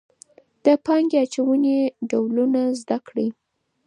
د پانګې اچونې ډولونه زده کړئ.